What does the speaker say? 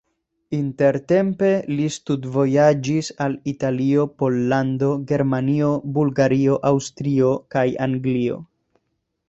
Intertempe li studvojaĝis al Italio, Pollando, Germanio, Bulgario, Aŭstrio kaj Anglio.